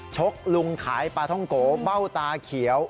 ชกลุงขายปลาท่องโกเบ้าตาเขียว